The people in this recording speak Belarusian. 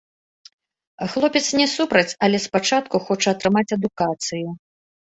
Хлопец не супраць, але спачатку хоча атрымаць адукацыю.